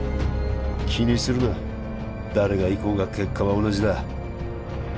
気にするな誰が行こうが結果は同じだ